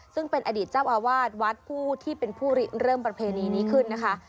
ซึ่งเป็นอดีตเจ้าอาวาสวัดผู้ที่เป็นผู้ริเริ่มประเพณีนี้ขึ้นนะคะ